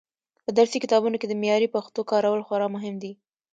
په درسي کتابونو کې د معیاري پښتو کارول خورا مهم دي.